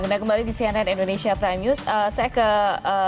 sekarang kembali di cnn indonesia primus saya ke